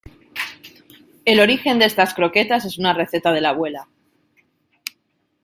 El origen de estas croquetas es una receta de la abuela.